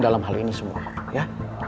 dalam hal ini semua ya